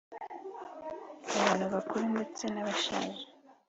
abantu bakuru ndetse n’Abashaje